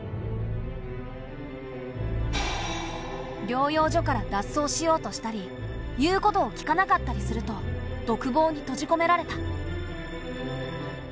療養所から脱走しようとしたり言うことを聞かなかったりすると独房に閉じ込められた。